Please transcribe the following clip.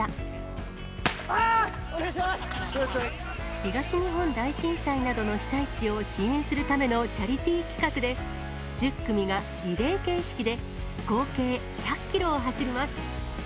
東日本大震災などの被災地を支援するためのチャリティー企画で、１０組がリレー形式で合計１００キロを走ります。